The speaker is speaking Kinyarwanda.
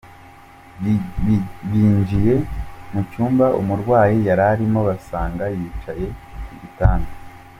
Binjiye mu cyumba umurwayi yari arimo, basanga yicaye ku gitanda.